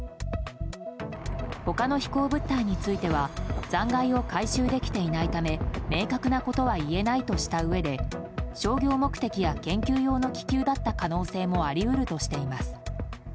他の飛行物体については残骸を回収できていないため明確なことは言えないとしたうえで商業目的や研究用の気球だった可能性もあり得るとしています。